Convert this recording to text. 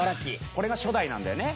これが初代なんだよね。